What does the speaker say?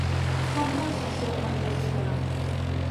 Quan passa a ser un menjar ciutadà?